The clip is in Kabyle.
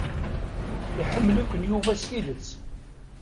Iḥemmel-iken Yuba s tidet.